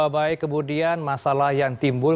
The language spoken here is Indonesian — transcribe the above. baik kemudian masalah yang timbul